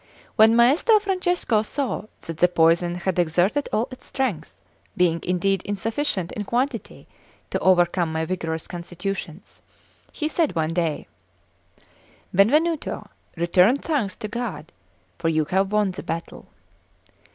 When Maestro Francesco saw that the poison had exerted all its strength, being indeed insufficient in quantity to overcome my vigorous constitutions, he said one day: "Benvenuto, return thanks to God, for you have won the battle.